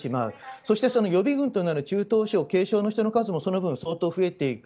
そして、予備軍となる中等症・軽症の人の数もその分、相当増えていく。